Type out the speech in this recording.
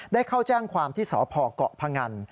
ได้เข้าแจ้งความที่สพเกาะพงัน